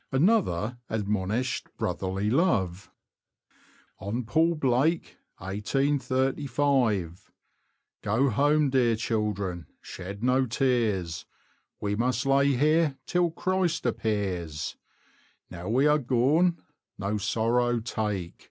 Another admonished brotherly love :— On Paul Blake.— 1835. Go home, dear children, shed no tears, We must lay here till Christ appears ; Now we are gone, no sorrow take.